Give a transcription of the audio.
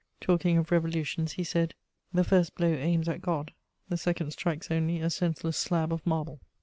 Talking of revolutions, he said: "The first blow aims at God, the second strikes only a senseless slab of marble."